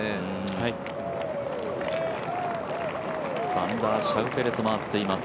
ザンダー・シャウフェレと回っています。